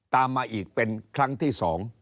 ตามมาอีกเป็นครั้งที่๒